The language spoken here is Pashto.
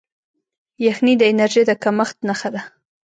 یخني د انرژۍ د کمښت نښه ده.